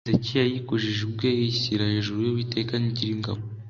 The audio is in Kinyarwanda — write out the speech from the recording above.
ariko hezekiya yikujije ubwe yishyira hejuru y'uwiteka nyiringabo